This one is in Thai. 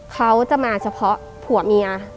เขาจะมาเฉพาะผัวเมีย